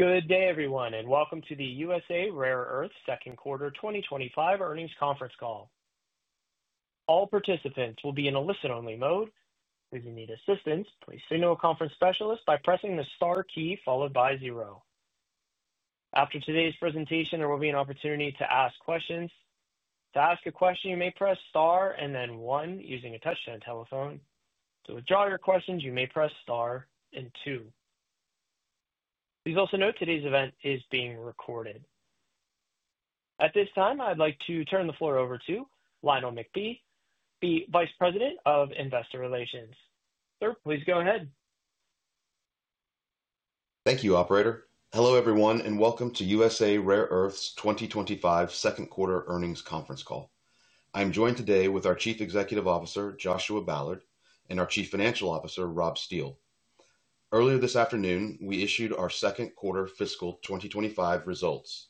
Good day, everyone, and welcome to the USA Rare Earth Second Quarter 2025 Earnings Conference Call. All participants will be in a listen-only mode. If you need assistance, please signal a conference specialist by pressing the Star key followed by zero. After today's presentation, there will be an opportunity to ask questions. To ask a question, you may press Star and then one using a touch-tone telephone. To withdraw your questions, you may press Star and two. Please also note today's event is being recorded. At this time, I'd like to turn the floor over to Lionel McBee, Vice President of Investor Relations. Sir, please go ahead. Thank you, Operator. Hello everyone, and welcome to USA Rare Earth's 2025 Second Quarter Earnings Conference Call. I am joined today with our Chief Executive Officer, Joshua Ballard, and our Chief Financial Officer, Rob Steele. Earlier this afternoon, we issued our second quarter fiscal 2025 results.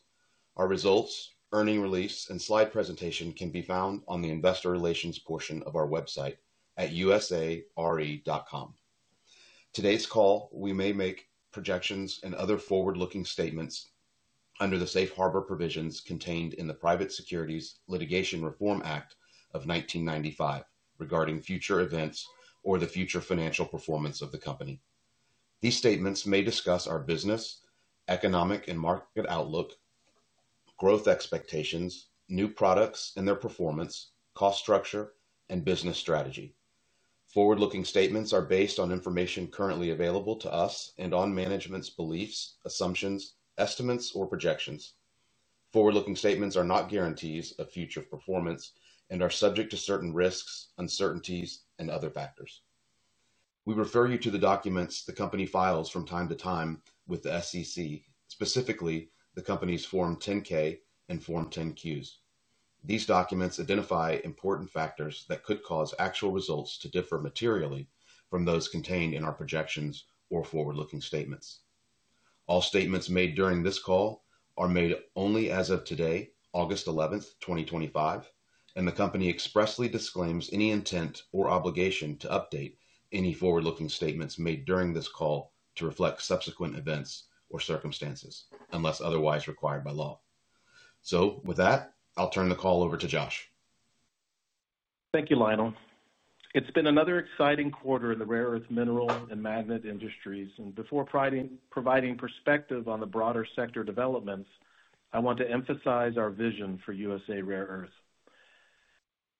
Our results, earnings release, and slide presentation can be found on the Investor Relations portion of our website at usare.com. During today's call, we may make projections and other forward-looking statements under the safe harbor provisions contained in the Private Securities Litigation Reform Act of 1995 regarding future events or the future financial performance of the company. These statements may discuss our business, economic, and market outlook, growth expectations, new products and their performance, cost structure, and business strategy. Forward-looking statements are based on information currently available to us and on management's beliefs, assumptions, estimates, or projections. Forward-looking statements are not guarantees of future performance and are subject to certain risks, uncertainties, and other factors. We refer you to the documents the company files from time to time with the SEC, specifically the company's Form 10-K and Form 10-Qs. These documents identify important factors that could cause actual results to differ materially from those contained in our projections or forward-looking statements. All statements made during this call are made only as of today, August 11, 2025, and the company expressly disclaims any intent or obligation to update any forward-looking statements made during this call to reflect subsequent events or circumstances unless otherwise required by law. With that, I'll turn the call over to Josh. Thank you, Lionel. It's been another exciting quarter in the rare earth mineral and magnet industries, and before providing perspective on the broader sector developments, I want to emphasize our vision for USA Rare Earth.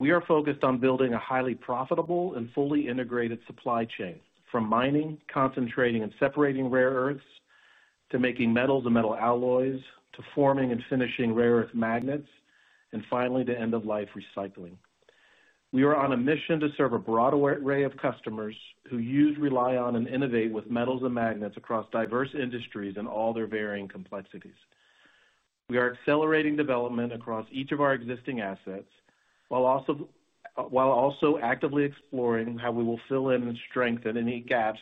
We are focused on building a highly profitable and fully integrated supply chain, from mining, concentrating, and separating rare earths, to making metals and metal alloys, to forming and finishing rare earth magnets, and finally to end-of-life recycling. We are on a mission to serve a broad array of customers who use, rely on, and innovate with metals and magnets across diverse industries in all their varying complexities. We are accelerating development across each of our existing assets, while also actively exploring how we will fill in and strengthen any gaps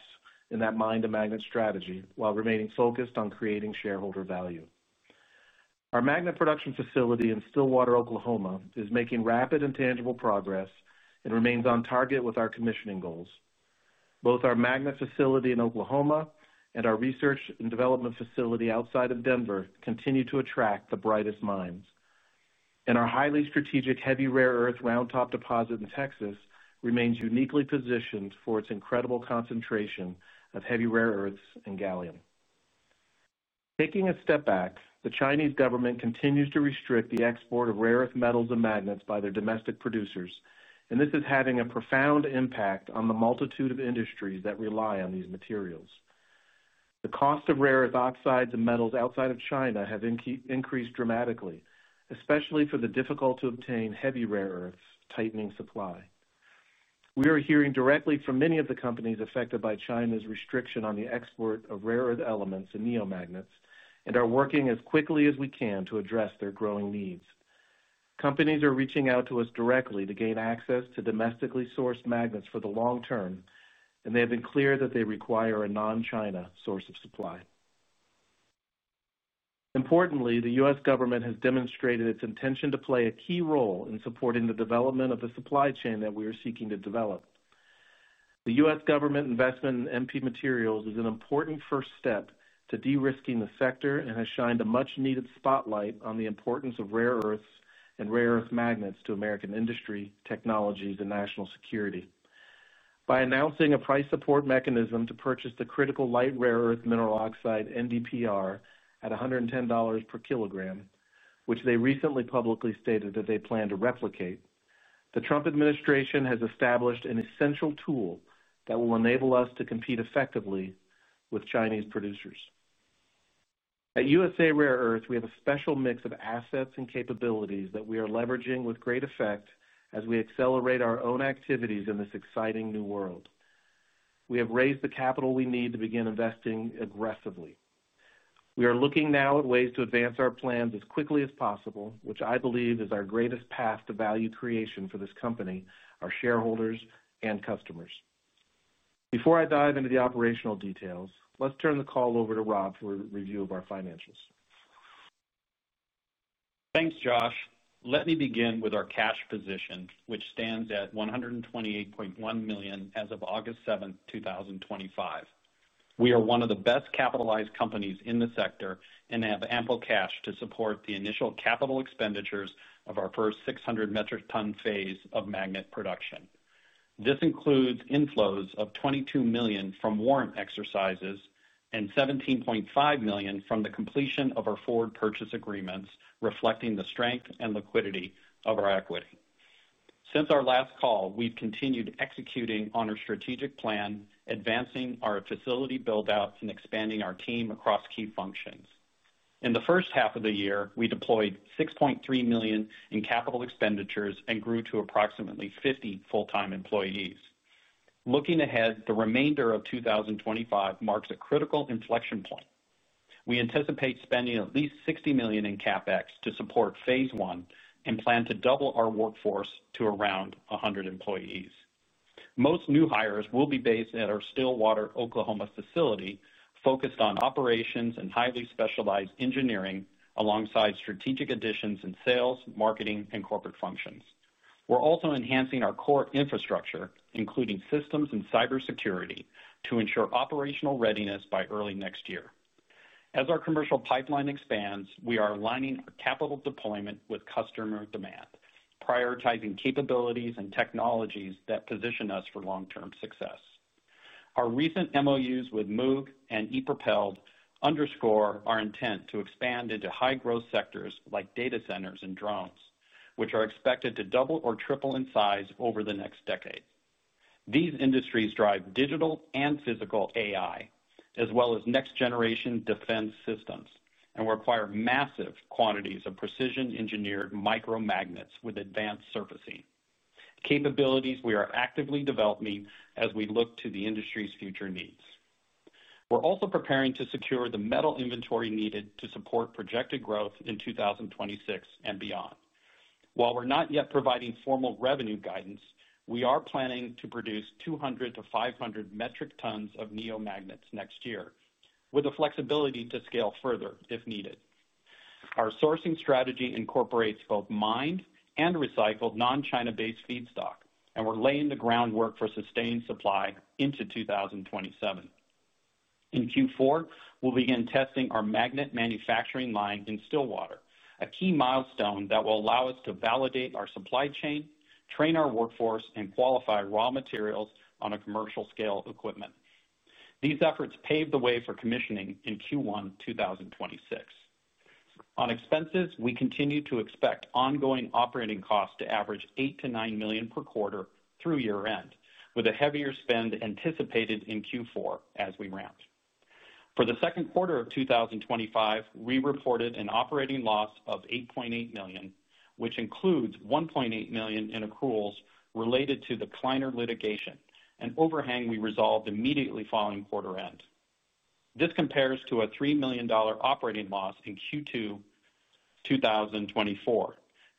in that mine-to-magnet strategy, while remaining focused on creating shareholder value. Our magnet production facility in Stillwater, Oklahoma, is making rapid and tangible progress and remains on target with our commissioning goals. Both our magnet facility in Oklahoma and our research and development facility outside of Denver continue to attract the brightest minds. Our highly strategic heavy rare earth Round Top deposit in Texas remains uniquely positioned for its incredible concentration of heavy rare earths and gallium. Taking a step back, the Chinese government continues to restrict the export of rare earth metals and magnets by their domestic producers, and this is having a profound impact on the multitude of industries that rely on these materials. The cost of rare earth oxides and metals outside of China has increased dramatically, especially for the difficult-to-obtain heavy rare earths' tightening supply. We are hearing directly from many of the companies affected by China's restriction on the export of rare earth elements and neomagnets and are working as quickly as we can to address their growing needs. Companies are reaching out to us directly to gain access to domestically sourced magnets for the long term, and they have been clear that they require a non-China source of supply. Importantly, the U.S. government has demonstrated its intention to play a key role in supporting the development of the supply chain that we are seeking to develop. The U.S. Government investment in MP Materials is an important first step to de-risking the sector and has shined a much-needed spotlight on the importance of rare earths and rare earth magnets to American industry, technologies, and national security. By announcing a price support mechanism to purchase the critical light rare earth mineral oxide, NDPR, at $110 per kilogram, which they recently publicly stated that they plan to replicate, the Trump administration has established an essential tool that will enable us to compete effectively with Chinese producers. At USA Rare Earth, we have a special mix of assets and capabilities that we are leveraging with great effect as we accelerate our own activities in this exciting new world. We have raised the capital we need to begin investing aggressively. We are looking now at ways to advance our plans as quickly as possible, which I believe is our greatest path to value creation for this company, our shareholders, and customers. Before I dive into the operational details, let's turn the call over to Rob for a review of our financials. Thanks, Josh. Let me begin with our cash position, which stands at $128.1 million as of August 7, 2025. We are one of the best capitalized companies in the sector and have ample cash to support the initial capital expenditures of our first 600 metric ton phase of magnet production. This includes inflows of $22 million from warrant exercises and $17.5 million from the completion of our forward purchase agreements, reflecting the strength and liquidity of our equity. Since our last call, we've continued executing on our strategic plan, advancing our facility buildout and expanding our team across key functions. In the first half of the year, we deployed $6.3 million in capital expenditures and grew to approximately 50 full-time employees. Looking ahead, the remainder of 2025 marks a critical inflection point. We anticipate spending at least $60 million in CapEx to support phase one and plan to double our workforce to around 100 employees. Most new hires will be based at our Stillwater, Oklahoma facility, focused on operations and highly specialized engineering, alongside strategic additions in sales, marketing, and corporate functions. We're also enhancing our core infrastructure, including systems and cybersecurity, to ensure operational readiness by early next year. As our commercial pipeline expands, we are aligning our capital deployment with customer demand, prioritizing capabilities and technologies that position us for long-term success. Our recent MOUs with Moog and ePropelled underscore our intent to expand into high-growth sectors like data centers and drones, which are expected to double or triple in size over the next decade. These industries drive digital and physical AI, as well as next-generation defense systems, and require massive quantities of precision-engineered micromagnets with advanced surfacing. Capabilities we are actively developing as we look to the industry's future needs. We're also preparing to secure the metal inventory needed to support projected growth in 2026 and beyond. While we're not yet providing formal revenue guidance, we are planning to produce 200-500 metric tons of neomagnets next year, with the flexibility to scale further if needed. Our sourcing strategy incorporates both mined and recycled non-China-based feedstock, and we're laying the groundwork for sustained supply into 2027. In Q4, we'll begin testing our magnet manufacturing line in Stillwater, a key milestone that will allow us to validate our supply chain, train our workforce, and qualify raw materials on commercial-scale equipment. These efforts pave the way for commissioning in Q1 2026. On expenses, we continue to expect ongoing operating costs to average $8 million-$9 million per quarter through year-end, with a heavier spend anticipated in Q4 as we ramp. For the second quarter of 2025, we reported an operating loss of $8.8 million, which includes $1.8 million in accruals related to the Kleiner litigation, an overhang we resolved immediately following quarter end. This compares to a $3 million operating loss in Q2 2024,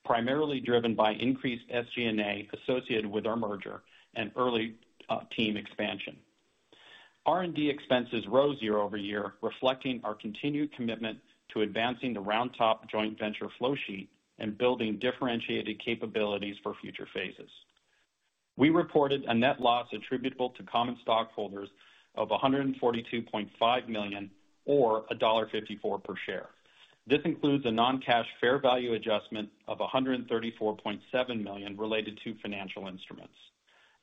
primarily driven by increased SG&A associated with our merger and early team expansion. R&D expenses rose year-over-year, reflecting our continued commitment to advancing the Round Top joint venture flow sheet and building differentiated capabilities for future phases. We reported a net loss attributable to common stockholders of $142.5 million or $1.54 per share. This includes a non-cash fair value adjustment of $134.7 million related to financial instruments.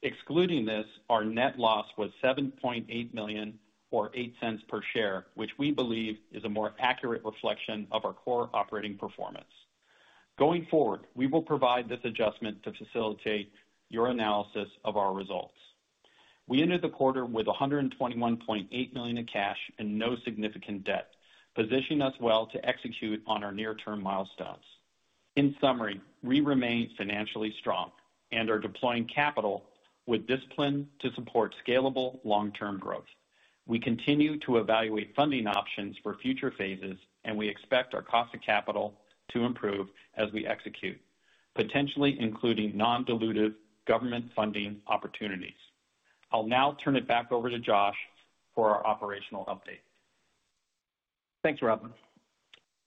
Excluding this, our net loss was $7.8 million or $0.08 per share, which we believe is a more accurate reflection of our core operating performance. Going forward, we will provide this adjustment to facilitate your analysis of our results. We entered the quarter with $121.8 million in cash and no significant debt, positioning us well to execute on our near-term milestones. In summary, we remain financially strong and are deploying capital with discipline to support scalable long-term growth. We continue to evaluate funding options for future phases, and we expect our cost of capital to improve as we execute, potentially including non-dilutive government funding opportunities. I'll now turn it back over to Josh for our operational update. Thanks, Rob.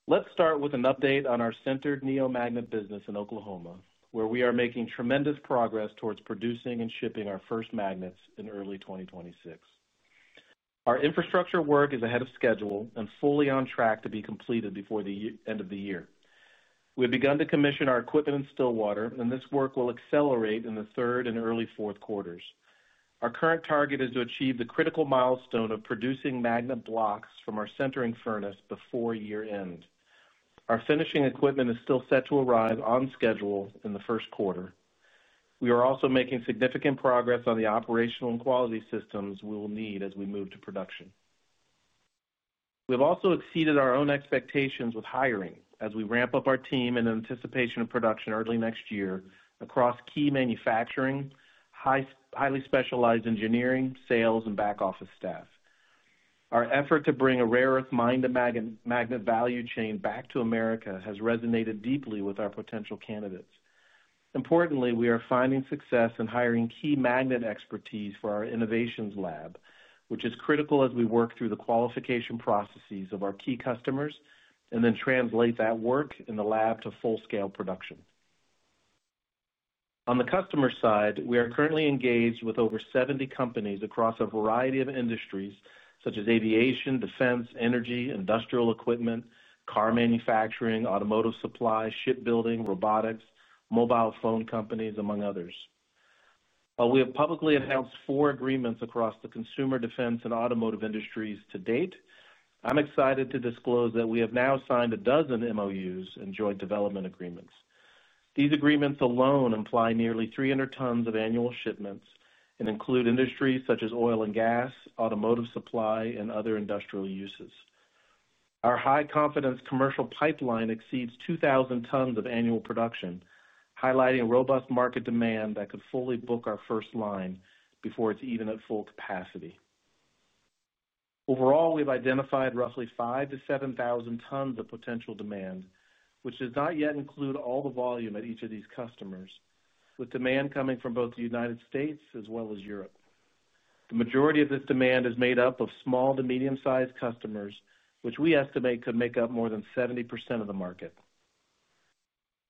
Let's start with an update on our sintered neomagnets business in Oklahoma, where we are making tremendous progress towards producing and shipping our first magnets in early 2026. Our infrastructure work is ahead of schedule and fully on track to be completed before the end of the year. We've begun to commission our equipment in Stillwater, and this work will accelerate in the third and early fourth quarters. Our current target is to achieve the critical milestone of producing magnet blocks from our sintering furnace before year-end. Our finishing equipment is still set to arrive on schedule in the first quarter. We are also making significant progress on the operational and quality systems we will need as we move to production. We have also exceeded our own expectations with hiring as we ramp up our team in anticipation of production early next year across key manufacturing, highly specialized engineering, sales, and back office staff. Our effort to bring a rare earth mine-to-magnet value chain back to America has resonated deeply with our potential candidates. Importantly, we are finding success in hiring key magnet expertise for our innovations lab, which is critical as we work through the qualification processes of our key customers and then translate that work in the lab to full-scale production. On the customer side, we are currently engaged with over 70 companies across a variety of industries such as aviation, defense, energy, industrial equipment, car manufacturing, automotive supply, shipbuilding, robotics, mobile phone companies, among others. While we have publicly announced four agreements across the consumer defense and automotive industries to date, I'm excited to disclose that we have now signed a dozen MOUs and joint development agreements. These agreements alone imply nearly 300 tons of annual shipments and include industries such as oil and gas, automotive supply, and other industrial uses. Our high-confidence commercial pipeline exceeds 2,000 tons of annual production, highlighting robust market demand that could fully book our first line before it's even at full capacity. Overall, we've identified roughly 5,000-7,000 tons of potential demand, which does not yet include all the volume at each of these customers, with demand coming from both the U.S. as well as Europe. The majority of this demand is made up of small to medium-sized customers, which we estimate could make up more than 70% of the market.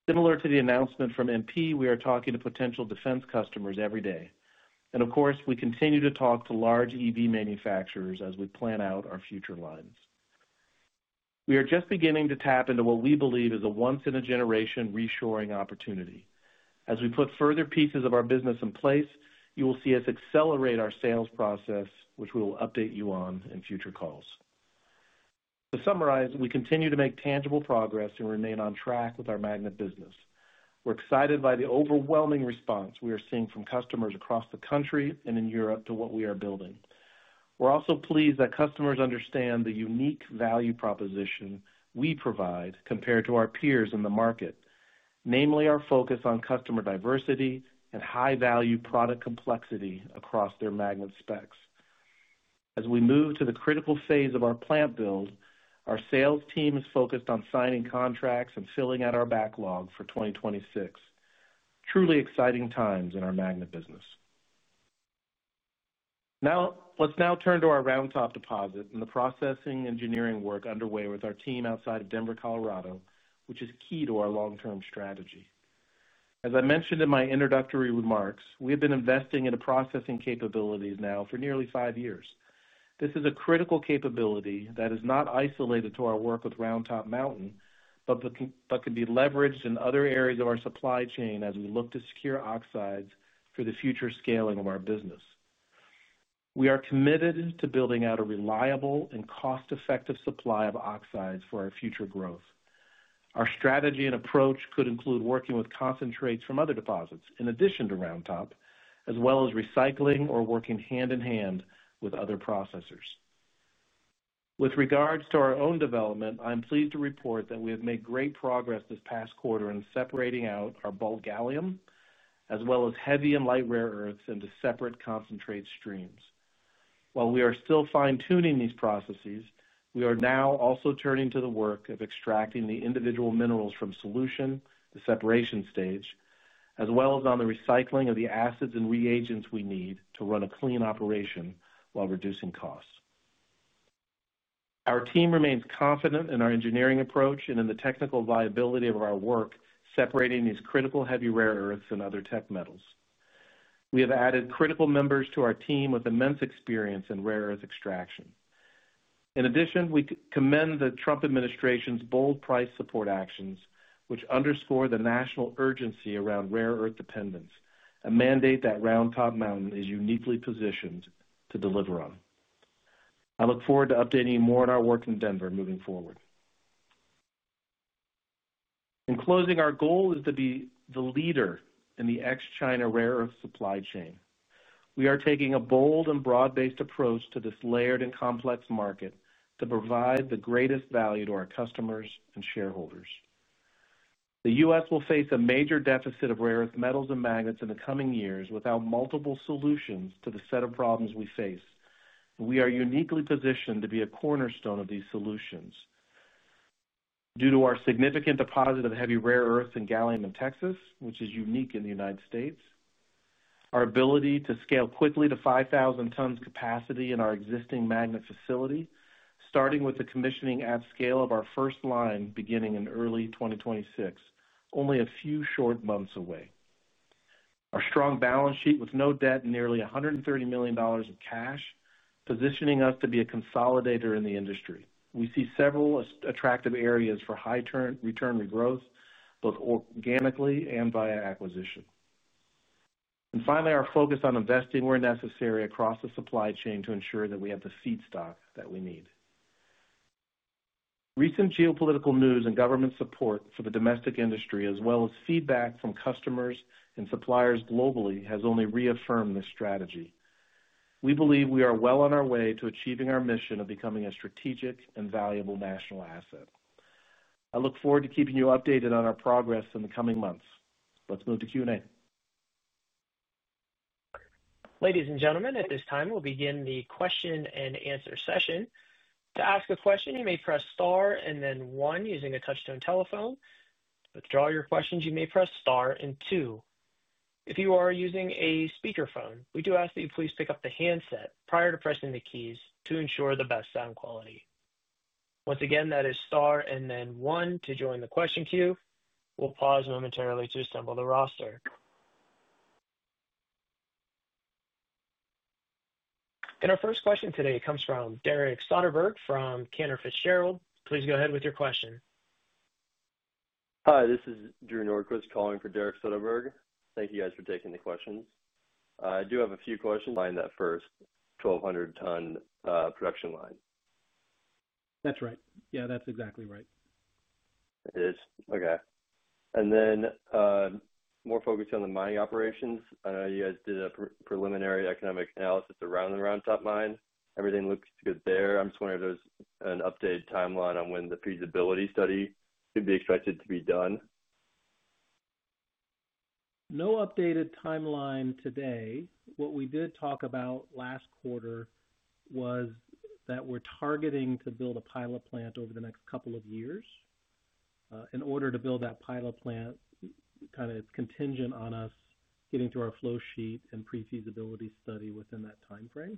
Similar to the announcement from MP, we are talking to potential defense customers every day. Of course, we continue to talk to large EV manufacturers as we plan out our future lines. We are just beginning to tap into what we believe is a once-in-a-generation reshoring opportunity. As we put further pieces of our business in place, you will see us accelerate our sales process, which we will update you on in future calls. To summarize, we continue to make tangible progress and remain on track with our magnet business. We're excited by the overwhelming response we are seeing from customers across the country and in Europe to what we are building. We're also pleased that customers understand the unique value proposition we provide compared to our peers in the market, namely our focus on customer diversity and high-value product complexity across their magnet specs. As we move to the critical phase of our plant build, our sales team is focused on signing contracts and filling out our backlog for 2026. Truly exciting times in our magnet business. Now, let's turn to our Round Top Mountain deposit and the processing engineering work underway with our team outside of the Denver-area, which is key to our long-term strategy. As I mentioned in my introductory remarks, we have been investing in processing capabilities now for nearly five years. This is a critical capability that is not isolated to our work with Round Top Mountain, but can be leveraged in other areas of our supply chain as we look to secure oxides for the future scaling of our business. We are committed to building out a reliable and cost-effective supply of oxides for our future growth. Our strategy and approach could include working with concentrates from other deposits in addition to Round Top Mountain, as well as recycling or working hand in hand with other processors. With regards to our own development, I'm pleased to report that we have made great progress this past quarter in separating out our bulk gallium, as well as heavy and light rare earths into separate concentrate streams. While we are still fine-tuning these processes, we are now also turning to the work of extracting the individual minerals from solution, the separation stage, as well as on the recycling of the acids and reagents we need to run a clean operation while reducing costs. Our team remains confident in our engineering approach and in the technical viability of our work separating these critical heavy rare earths and other tech metals. We have added critical members to our team with immense experience in rare earth extraction. In addition, we commend the Trump administration's bold price support actions, which underscore the national urgency around rare earth dependence, a mandate that Round Top Mountain is uniquely positioned to deliver on. I look forward to updating you more on our work in Denver moving forward. In closing, our goal is to be the leader in the ex-China rare earth supply chain. We are taking a bold and broad-based approach to this layered and complex market to provide the greatest value to our customers and shareholders. The U.S. will face a major deficit of rare earth metals and magnets in the coming years without multiple solutions to the set of problems we face. We are uniquely positioned to be a cornerstone of these solutions due to our significant deposit of heavy rare earths and gallium in Texas, which is unique in the United States, and our ability to scale quickly to 5,000 tons capacity in our existing magnet facility, starting with the commissioning at scale of our first line beginning in early 2026, only a few short months away. Our strong balance sheet with no debt and nearly $130 million of cash positions us to be a consolidator in the industry. We see several attractive areas for high return regrowth, both organically and via acquisition. Our focus is on investing where necessary across the supply chain to ensure that we have the feedstock that we need. Recent geopolitical news and government support for the domestic industry, as well as feedback from customers and suppliers globally, has only reaffirmed this strategy. We believe we are well on our way to achieving our mission of becoming a strategic and valuable national asset. I look forward to keeping you updated on our progress in the coming months. Let's move to Q&A. Ladies and gentlemen, at this time, we'll begin the question-and-answer session. To ask a question, you may press Star and then one using a touch-tone telephone. To withdraw your questions, you may press Star and two. If you are using a speakerphone, we do ask that you please pick up the handset prior to pressing the keys to ensure the best sound quality. Once again, that is Star and then one to join the question queue. We'll pause momentarily to assemble the roster. Our first question today comes from Derek Soderbergh from Cantor Fitzgerald. Please go ahead with your question. Hi, this is Drew Norquist calling for Derek Soderbergh. Thank you guys for taking the questions. I do have a few questions. Mine that first 1,200-ton production line. That's right. Yeah, that's exactly right. Okay. More focused on the mining operations, I know you guys did a preliminary economic analysis around the Round Top Mountain mine. Everything looks good there. I'm just wondering if there's an updated timeline on when the feasibility study could be expected to be done. No updated timeline today. What we did talk about last quarter was that we're targeting to build a pilot plant over the next couple of years. In order to build that pilot plant, it's contingent on us getting to our flow sheet and pre-feasibility study within that timeframe.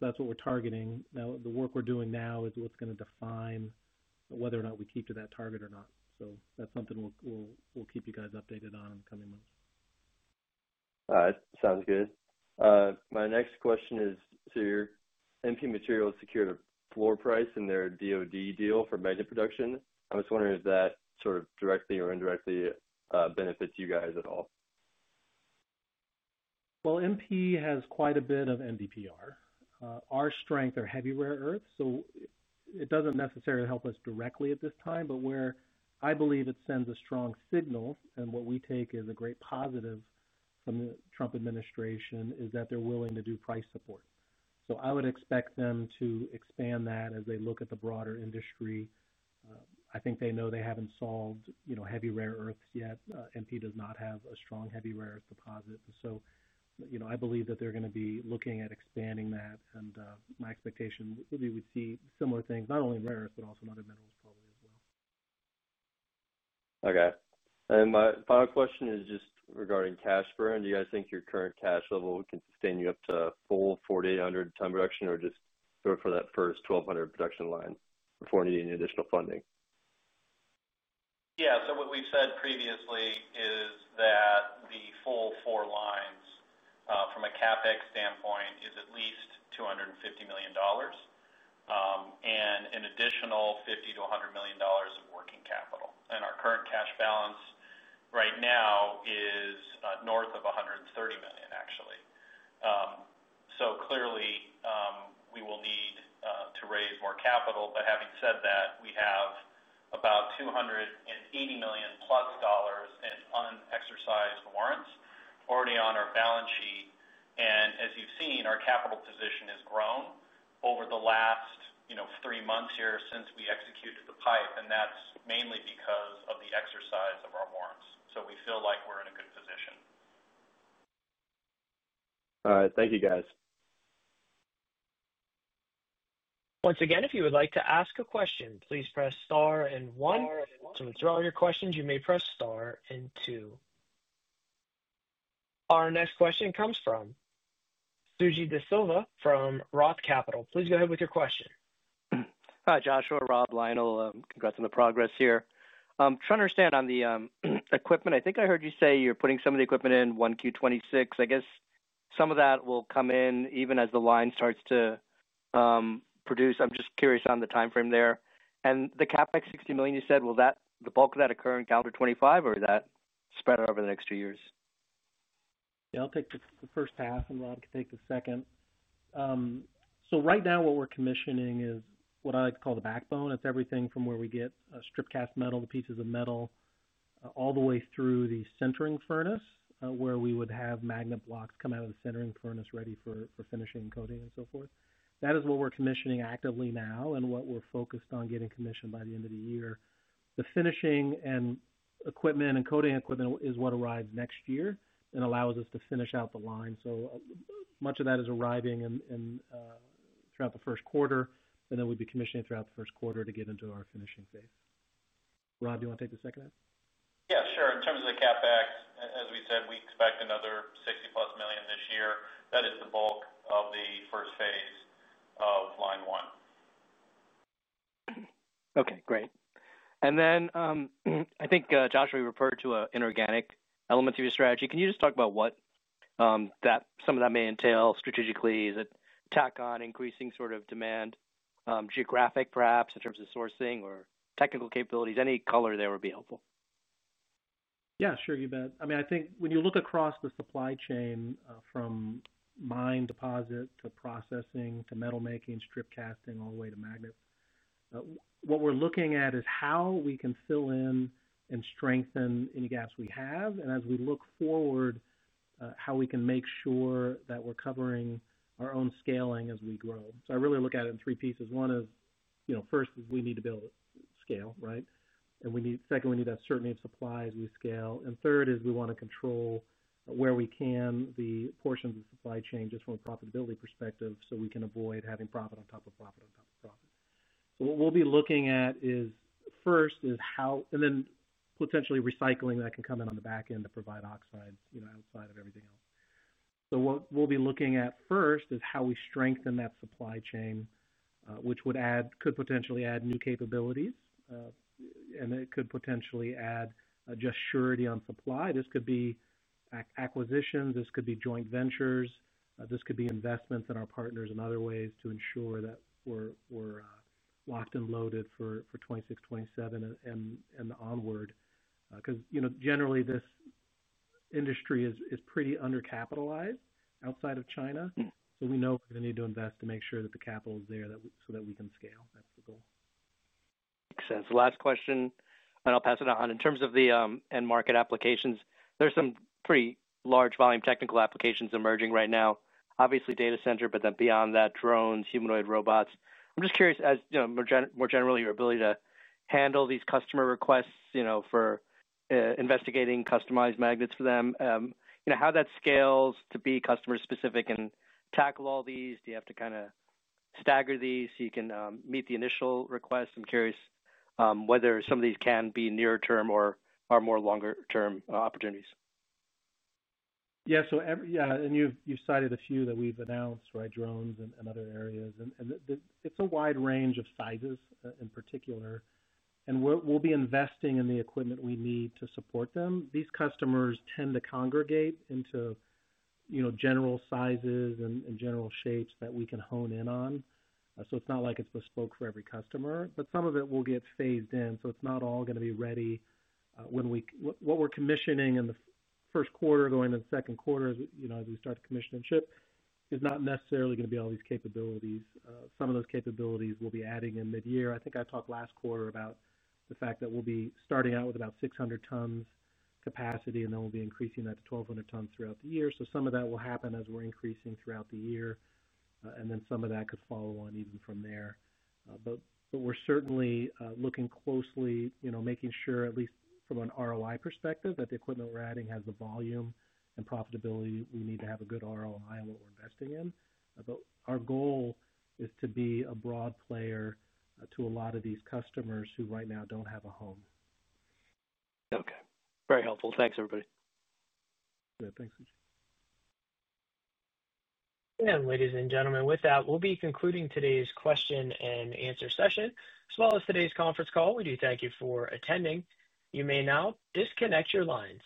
That's what we're targeting. The work we're doing now is what's going to define whether or not we keep to that target. That's something we'll keep you guys updated on in the coming months. All right, sounds good. My next question is, your MP material is secured at a floor price in their DoD deal for magnet production. I was wondering if that sort of directly or indirectly benefits you guys at all. MP has quite a bit of NDPR. Our strength are heavy rare earths, so it doesn't necessarily help us directly at this time, but where I believe it sends a strong signal and what we take as a great positive from the Trump administration is that they're willing to do price support. I would expect them to expand that as they look at the broader industry. I think they know they haven't solved, you know, heavy rare earths yet. MP does not have a strong heavy rare earth deposit. I believe that they're going to be looking at expanding that, and my expectation would be we'd see similar things, not only in rare earths, but also in other metals probably as well. Okay. My final question is just regarding cash burn. Do you guys think your current cash level can sustain you up to a full 4,800-ton production or just go for that first 1,200 production line before needing additional funding? Yeah, so what we've said previously is that the full four lines, from a CapEx standpoint, is at least $250 million, and an additional $50 million-$100 million of working capital. Our current cash balance right now is north of $130 million, actually. Clearly, we will need to raise more capital. Having said that, we have about $280+ million in unexercised warrants already on our balance sheet. As you've seen, our capital position has grown over the last three months here since we executed the pipe, and that's mainly because of the exercise of our warrants. We feel like we're in a good position. All right, thank you guys. Once again, if you would like to ask a question, please press Star and one. To withdraw your questions, you may press Star and two. Our next question comes from Suji Desilva from ROTH Capital. Please go ahead with your question. Hi, Joshua, Rob, Lionel, congrats on the progress here. I'm trying to understand on the equipment. I think I heard you say you're putting some of the equipment in 1Q 2026. I guess some of that will come in even as the line starts to produce. I'm just curious on the timeframe there. The CapEx $60 million you said, will the bulk of that occur in calendar 2025 or is that spread out over the next two years? Yeah, I'll take the first half and Rob can take the second. Right now what we're commissioning is what I like to call the backbone. It's everything from where we get a strip cast metal, the pieces of metal, all the way through the sintering furnace where we would have magnet blocks come out of the sintering furnace ready for finishing and coating and so forth. That is what we're commissioning actively now and what we're focused on getting commissioned by the end of the year. The finishing and coating equipment is what arrives next year and allows us to finish out the line. Much of that is arriving throughout the first quarter, and then we'd be commissioning throughout the first quarter to get into our finishing phase. Rob, do you want to take the second half? Yeah, sure. In terms of the CapEx, as we said, we expect another $60+ million this year. That is the bulk of the first phase of line one. Okay, great. I think Joshua referred to an inorganic element of your strategy. Can you just talk about what some of that may entail strategically? Is it tack on increasing sort of demand, geographic perhaps in terms of sourcing or technical capabilities? Any color there would be helpful. Yeah, sure, you bet. I think when you look across the supply chain from mine deposit to processing to metal making, strip casting, all the way to magnet, what we're looking at is how we can fill in and strengthen any gaps we have, and as we look forward, how we can make sure that we're covering our own scaling as we grow. I really look at it in three pieces. One is, first, we need to build a scale, right? Second, we need that certainty of supply as we scale. Third is we want to control where we can the portions of the supply chain just from a profitability perspective so we can avoid having profit on top of profit on top of profit. What we'll be looking at is first is how, and then potentially recycling that can come in on the back end to provide oxides, outside of everything else. What we'll be looking at first is how we strengthen that supply chain, which could potentially add new capabilities, and it could potentially add just surety on supply. This could be acquisitions, this could be joint ventures, this could be investments in our partners in other ways to ensure that we're locked and loaded for 2026, 2027, and onward. Generally, this industry is pretty undercapitalized outside of China. We know we're going to need to invest to make sure that the capital is there so that we can scale. That's the goal. Makes sense. Last question, and I'll pass it on. In terms of the end market applications, there's some pretty large volume technical applications emerging right now. Obviously, data center, but then beyond that, drones, humanoid robots. I'm just curious, as you know, more generally, your ability to handle these customer requests, you know, for investigating customized magnets for them, you know, how that scales to be customer specific and tackle all these. Do you have to kind of stagger these so you can meet the initial requests? I'm curious whether some of these can be nearer term or are more longer term opportunities. Yeah, so every, yeah, and you've cited a few that we've announced, right, drones and other areas, and it's a wide range of sizes in particular. We'll be investing in the equipment we need to support them. These customers tend to congregate into general sizes and general shapes that we can hone in on. It's not like it's bespoke for every customer, but some of it will get phased in. It's not all going to be ready when we, what we're commissioning in the first quarter, going into the second quarter, as you know, as we start to commission and ship, is not necessarily going to be all these capabilities. Some of those capabilities we'll be adding in mid-year. I think I talked last quarter about the fact that we'll be starting out with about 600 tons capacity, and then we'll be increasing that to 1,200 tons throughout the year. Some of that will happen as we're increasing throughout the year, and then some of that could follow on even from there. We're certainly looking closely, making sure at least from an ROI perspective that the equipment we're adding has the volume and profitability we need to have a good ROI on what we're investing in. Our goal is to be a broad player to a lot of these customers who right now don't have a home. Okay, very helpful. Thanks, everybody. Thank you, Suji. Ladies and gentlemen, with that, we'll be concluding today's question-and-answer session, as well as today's conference call. We do thank you for attending. You may now disconnect your lines.